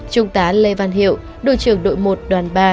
trung tá lê văn hiệu đội trưởng đội một đoàn ba